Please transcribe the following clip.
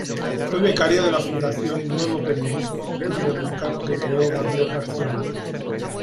Fue becario de la Fundación Nuevo Periodismo Iberoamericano, que creó Gabriel García Márquez.